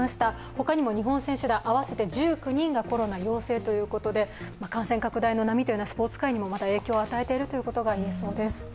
他にも日本選手団合わせて１９人がコロナ陽性ということで感染拡大の波はスポーツ界にも影響を与えているということが言えそうです。